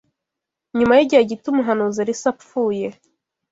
Nyuma y’igihe gito umuhanuzi Elisa apfuye